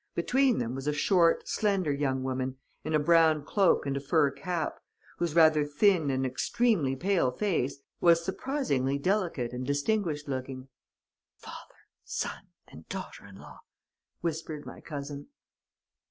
Between them was a short, slender young woman, in a brown cloak and a fur cap, whose rather thin and extremely pale face was surprisingly delicate and distinguished looking. "'Father, son and daughter in law,' whispered my cousin.